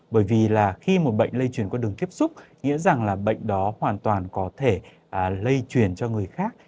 bởi vì là khi một bệnh lây chuyển qua đường tiếp xúc nghĩa rằng là bệnh đó hoàn toàn có thể lây truyền cho người khác